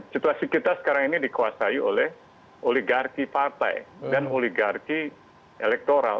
situasi kita sekarang ini dikuasai oleh oligarki partai dan oligarki elektoral